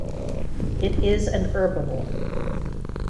It is an herbivore.